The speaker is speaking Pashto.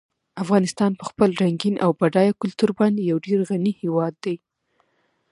افغانستان په خپل رنګین او بډایه کلتور باندې یو ډېر غني هېواد دی.